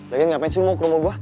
lagi ngapain sih lo mau ke rumah gue